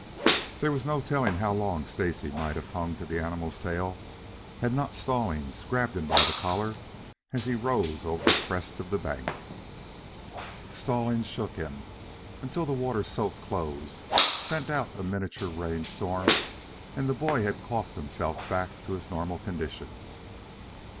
There was no telling how long Stacy might have hung to the animal's tail, had not Stallings grabbed him by the collar as he rose over the crest of the bank. Stallings shook him until the water soaked clothes sent out a miniature rain storm and the boy had coughed himself back to his normal condition.